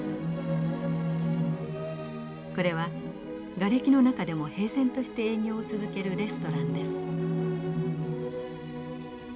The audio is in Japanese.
これはがれきの中でも平然として営業を続けるレストランです。